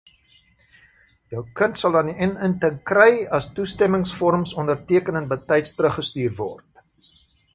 Jou kind sal dan die inenting kry as toestemmingsvorms onderteken en betyds teruggestuur word!